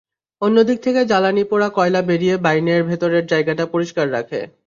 অন্য দিক থেকে জ্বালানি পোড়া কয়লা বেরিয়ে বাইনের ভেতরের জায়গাটা পরিষ্কার রাখে।